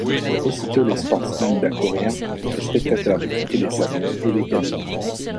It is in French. Aussitôt les sportsmen d’accourir, les spectateurs de quitter les salons et les cabines.